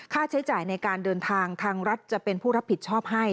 ค่าใช้จ่ายในการเดินทางทางรัฐจะเป็นผู้รับผิดชอบให้